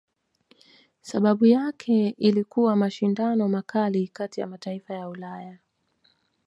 Sababu yake ilikuwa mashindano makali kati ya mataifa ya Ulaya